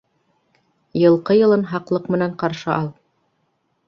Йылҡы йылын һаҡлыҡ менән ҡаршы ал.